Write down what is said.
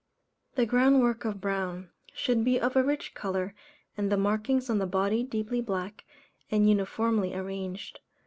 The ground work of brown, should be of a rich colour, and the markings on the body deeply black, and uniformly arranged.